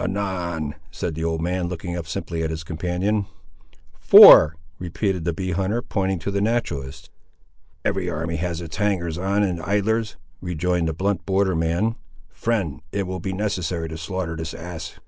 "Anan," said the old man, looking up simply at his companion. "Four," repeated the bee hunter, pointing to the naturalist. "Every army has its hangers on and idlers," rejoined the blunt border man. "Friend, it will be necessary to slaughter this ass."